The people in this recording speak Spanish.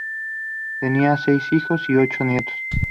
Tenía seis hijos y ocho nietos.